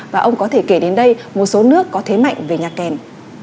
và ông có thể kể đến đây một số nước có thế mạnh về nhà kèn